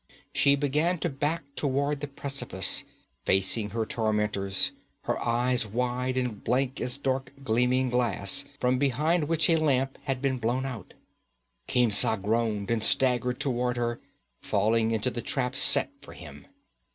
She began to back toward the precipice, facing her tormentors, her eyes wide and blank as dark gleaming glass from behind which a lamp has been blown out. Khemsa groaned and staggered toward her, falling into the trap set for him.